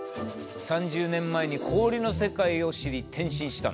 ３０年前に氷の世界を知り転身した。